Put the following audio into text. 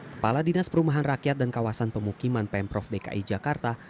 kepala dinas perumahan rakyat dan kawasan pemukiman pemprov dki jakarta